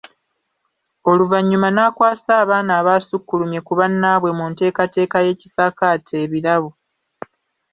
Oluvannyuma n’akwasa abaana abaasukkulumye ku bannaabwe mu nteekateeka y’ekisaakaate ebirabo.